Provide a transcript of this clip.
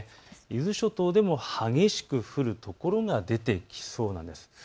伊豆諸島でも激しく降る所が出てきそうです。